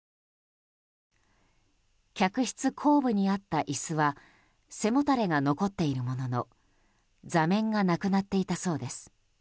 客室後部にあった椅子は背もたれが残っているものの座面がなくなっていたそうです。